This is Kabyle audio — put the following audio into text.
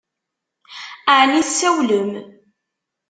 Ɛni tsawlem?